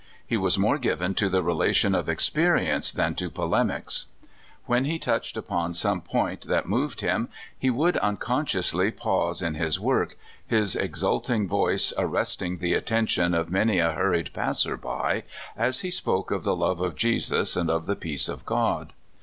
He was more given to the relation of experience than to polemics. When he touched upon some point that moved him he would unconsciously pause in his work, his exulting voice arresting the attention of many a hurried passer by, as he spoke of the love of Jesus and of the peace of God.